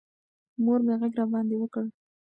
مور مې غږ راباندې وکړ.